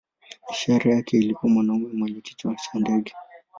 Ishara yake ilikuwa mwanamume mwenye kichwa cha ndege.